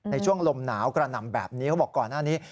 ในช่วงลมหนาวกระหน่ำแบบนี้เขาบอกก่อนหน้านี้